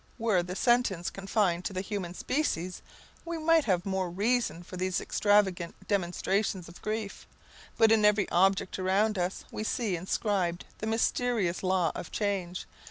Were the sentence confined to the human species, we might have more reason for these extravagant demonstrations of grief; but in every object around us we see inscribed the mysterious law of change.